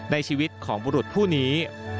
ในชีวิตของบุรุษผู้นี้